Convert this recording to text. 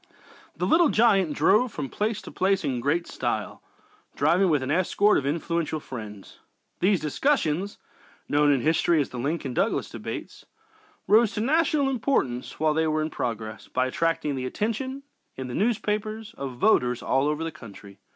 "The Little Giant" drove from place to place in great style, traveling with an escort of influential friends. These discussions, known in history as the "Lincoln Douglas Debates," rose to national importance while they were in progress, by attracting the attention, in the newspapers, of voters all over the country.